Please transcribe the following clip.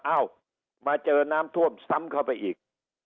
เอ้ามาเจอน้ำท่วมซ้ำเข้าไปอีก